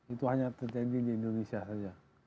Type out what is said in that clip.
itu hanya terjadi di indonesia saja